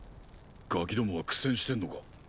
ガキどもは苦戦してんのか。